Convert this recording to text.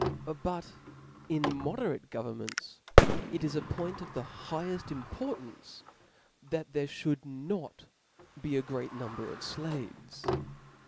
But in moderate governments, it is a point of * the higheft importance, that there Ihould not be a great number of (laves.